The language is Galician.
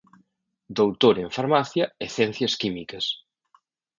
Doutor en Farmacia e Ciencias Químicas.